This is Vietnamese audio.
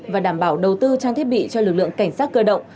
và đảm bảo đầu tư trang thiết bị cho lực lượng cảnh sát cơ động